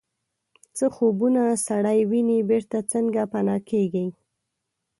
څه خوبونه سړی ویني بیرته څنګه پناه کیږي